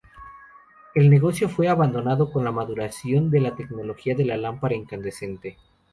El negocio fue abandonado con la maduración de la tecnología de la lámpara incandescente.